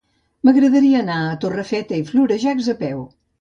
M'agradaria anar a Torrefeta i Florejacs a peu.